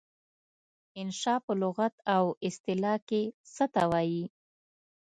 انشأ په لغت او اصطلاح کې څه ته وايي؟